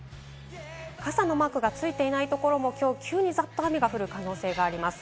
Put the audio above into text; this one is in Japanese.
傘のマークがついていないところも、今日は急に、ざっと雨が降る可能性があります。